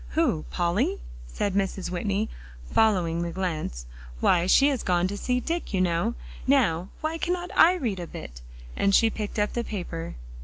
"Who Polly?" said Mrs. Whitney, following the glance. "Why, she has gone to see Dick, you know. Now, why cannot I read a bit?" and she picked up the paper.